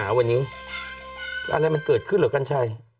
อะไรมันเกิดขึ้นหรอกัญชัย